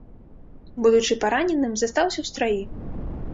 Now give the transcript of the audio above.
Будучы параненым застаўся ў страі.